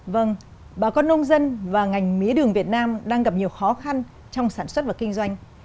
vâng bà con nông dân và ngành mía đường việt nam đang gặp nhiều khó khăn trong sản xuất và kinh doanh